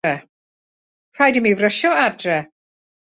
Rhaid i mi frysio adre.